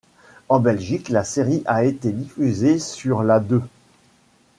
En Belgique, la série a été diffusée sur La Deux.